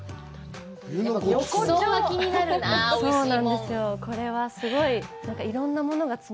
横丁は気になるな。